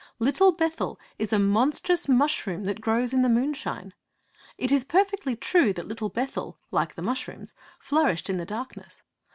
Little Bethel is a 'monstrous mushroom that grows in the moonshine.' It is perfectly true that Little Bethel, like the mushrooms, flourished in the darkness.